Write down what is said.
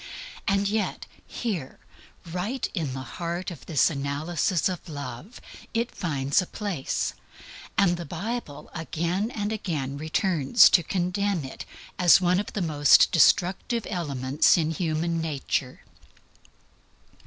And yet here, right in the heart of this analysis of love, it finds a place; and the Bible again and again returns to condemn it as one of the most destructive elements in human nature.